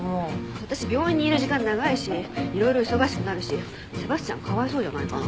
私病院にいる時間長いしいろいろ忙しくなるしセバスチャンかわいそうじゃないかな。